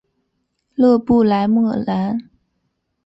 勒布莱莫兰。